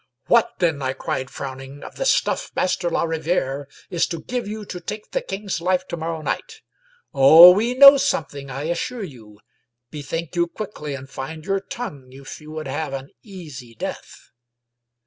" What, then," I cried, frowning, " of the stuff Master la Riviere is to give you to take the king's life to morrow night? Oh, we know something, I assure you; bethink you quickly, and find your tongue if you would have an easy death."